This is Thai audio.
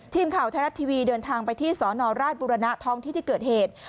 ทีมข่าวท้ายลัทธิวีเดินทางไปที่สนราชบุรณะทองที่เกิดเหตุ